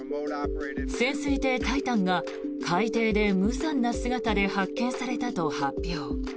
潜水艇「タイタン」が海底で無残な姿で発見されたと発表。